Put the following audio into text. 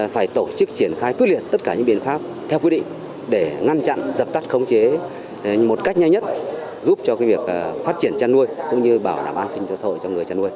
phải tổ chức triển khai quyết liệt tất cả những biện pháp theo quy định để ngăn chặn dập tắt khống chế một cách nhanh nhất giúp cho việc phát triển chăn nuôi cũng như bảo đảm an sinh cho xã hội cho người chăn nuôi